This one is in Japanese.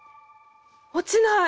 落ちない！